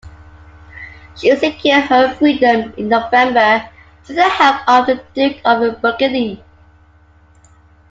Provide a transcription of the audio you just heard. She secured her freedom in November through the help of the Duke of Burgundy.